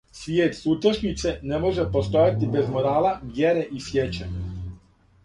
Свијет сутрашњице не може постојати без морала, вјере и сјећања.